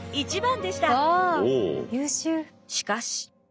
しかし。